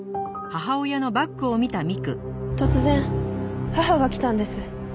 突然母が来たんです。